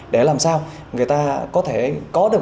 để làm sao người ta có thể có được